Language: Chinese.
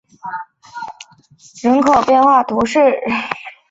圣让德拉布拉基耶尔人口变化图示